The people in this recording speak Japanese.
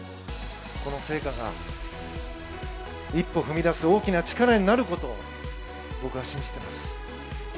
この聖火が一歩踏み出す大きな力になることを、僕は信じてます。